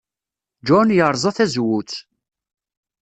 John yerẓa tazewwut.